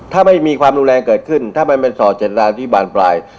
ถ้าไม่มีความรุนแรงเกิดขึ้นถ้ามันเป็นส่อเจตนาที่บานปลาย